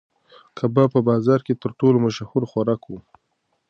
کباب په بازار کې تر ټولو مشهور خوراک و.